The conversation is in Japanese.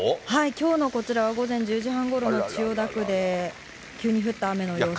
きょうのこちらは午前１０時半ごろの千代田区で、急に降った雨の様子ですね。